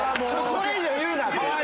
それ以上言うなって。